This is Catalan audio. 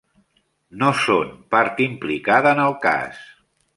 No són part implicada en el cas.